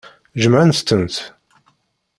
Jemɛent-tent.